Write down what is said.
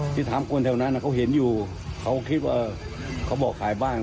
ที่ถามคนแถวนั้นเขาเห็นอยู่เขาคิดว่าเขาบอกใครบ้าง